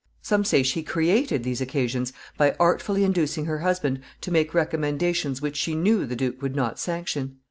Some say she created these occasions by artfully inducing her husband to make recommendations which she knew the duke would not sanction.